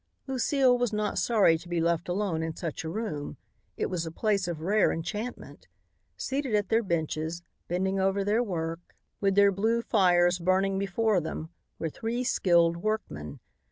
Lucile was not sorry to be left alone in such a room. It was a place of rare enchantment. Seated at their benches, bending over their work, with their blue fires burning before them, were three skilled workmen.